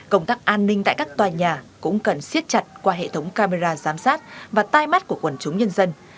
công tác an ninh tại các tòa nhà cũng cần siết chặt qua hệ thống camera giám sát và tai mắt của quần chúng nhân dân